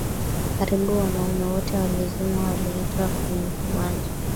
karibu wanaume wote wazima waliitwa kwenye uwanja